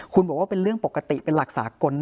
คุณบอกว่าเป็นเรื่องปกติเป็นหลักสากล